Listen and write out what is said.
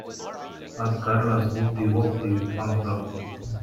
add carla's OopDeeWopDee in Funk Rock